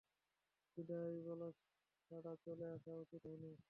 বিদায় বলা ছাড়া চলে আসা উচিৎ হয়নি।